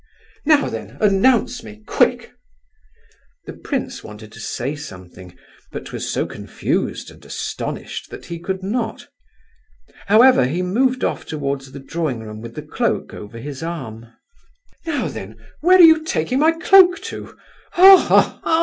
"Now then—announce me, quick!" The prince wanted to say something, but was so confused and astonished that he could not. However, he moved off towards the drawing room with the cloak over his arm. "Now then, where are you taking my cloak to? Ha, ha, ha!